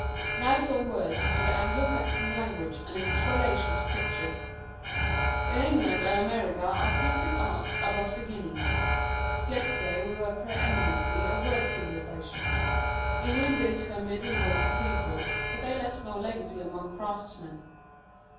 Now some words as to the Anglo Saxon language and its relation to pictures. In England and America our plastic arts are but beginning. Yesterday we were preeminently a word civilization. England built her mediæval cathedrals, but they left no legacy among craftsmen.